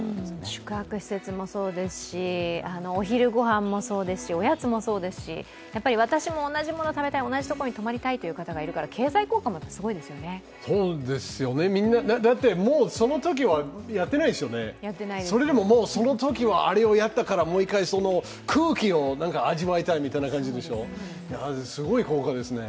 宿泊施設もそうですし、お昼ご飯もそうですし、おやつもそうですし、私も同じもの食べたい、同じところに泊まりたいという方がいるからみんな、だってそのときはやってないですもんね、それでももう、そのときはあれをやったから、もう一回空気を味わいたいみたいな感じでしょう、すごい効果ですね。